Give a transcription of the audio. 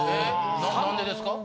何でですか？